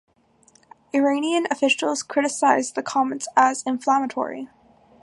Iranian officials criticized the comments as "inflammatory".